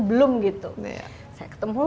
belum gitu saya ketemu